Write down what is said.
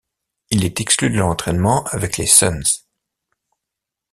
Il est exclu de l'entraînement avec les Suns.